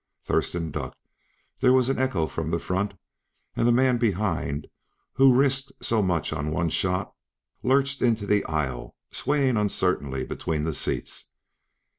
Thurston ducked. There was an echo from the front, and the man behind, who risked so much on one shot, lurched into the aisle, swaying uncertainly between the seats.